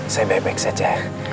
saya baik baik saja